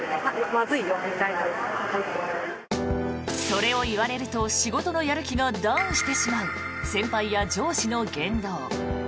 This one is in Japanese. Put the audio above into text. それを言われると仕事のやる気がダウンしてしまう先輩や上司の言動。